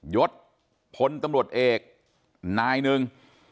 ยศพลตำรวจเอกนายหนึ่ง